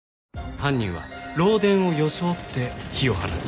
犯人は漏電を装って火を放った。